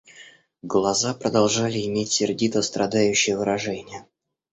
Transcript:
Глаза продолжали иметь сердито-страдающее выражение.